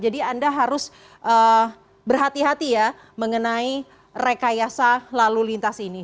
jadi anda harus berhati hati ya mengenai rekayasa lalu lintas ini